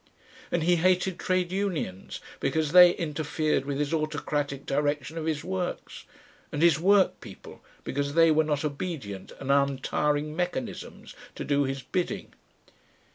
And he hated Trade Unions because they interfered with his autocratic direction of his works, and his workpeople because they were not obedient and untiring mechanisms to do his bidding.